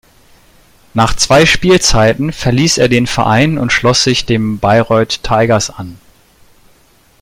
Nach zwei Spielzeiten verließ er den Verein und schloss sich den Bayreuth Tigers an.